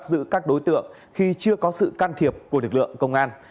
giữ các đối tượng khi chưa có sự can thiệp của lực lượng công an